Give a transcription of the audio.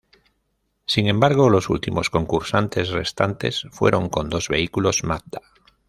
Sin embargo, los últimos concursantes restantes fueron con dos vehículos Mazda.